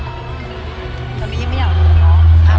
พี่ไม่อยากหัวหรอ